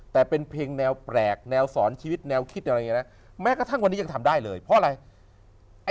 แต่เป็นเพลงแนวแปลกแนวสอนชีวิตแนวคิดอะไรอย่างนี้นะแม้กระทั่งวันนี้ยังทำได้เลยเพราะอะไร